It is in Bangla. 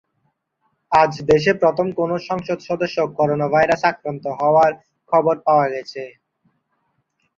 আজ দেশে প্রথম কোনো সংসদ সদস্য করোনাভাইরাসে আক্রান্ত হওয়ার খবর পাওয়া গেছে।